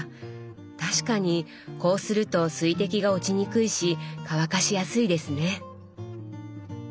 確かにこうすると水滴が落ちにくいし乾かしやすいですね。